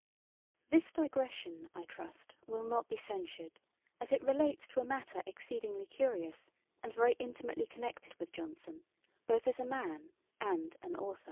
This digression, I trust, will not be censured, as it relates to a matter exceedingly curious, and very intimately connected with Johnson, both as a man and an authour.